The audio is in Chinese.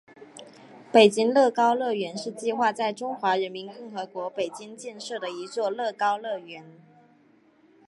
北京乐高乐园是计划在中华人民共和国北京建设的一座乐高乐园。